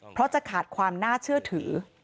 เพราะจะขาดความน่าเชื่อถือ